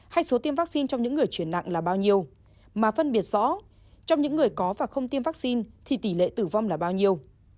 hay số tiêm vaccine trong những người chuyển nặng là bao nhiêu mà phân biệt rõ trong những người có và không tiêm vaccine thì tỷ lệ tử vong là bao nhiêu